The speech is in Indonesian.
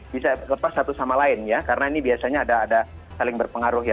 bisa lepas satu sama lain ya karena ini biasanya ada saling berpengaruh ya